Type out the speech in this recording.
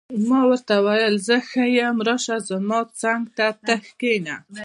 ما ورته وویل: زه ښه یم، راشه، زما څنګ ته کښېنه.